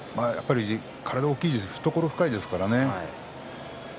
体が大きくて懐が深いですからね。